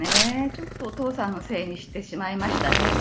ちょっとお父さんのせいにしてしまいましたね。